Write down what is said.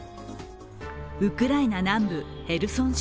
ウクライナ南部ヘルソン州。